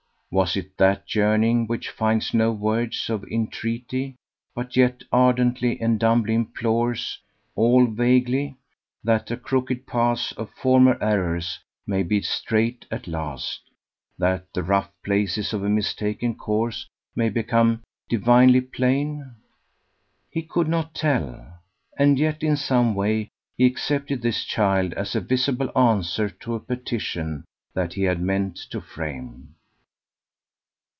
Was it that yearning which finds no words of entreaty, but yet ardently and dumbly implores all vaguely that the crooked paths of former error may be made straight at last that the rough places of a mistaken course may become divinely plain? He could not tell; and yet in some way he accepted this child as a visible answer to a petition that he had meant to frame.